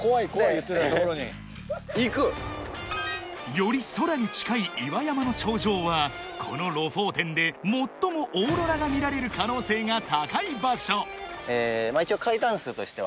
［より空に近い岩山の頂上はこのロフォーテンで最もオーロラが見られる可能性が高い場所］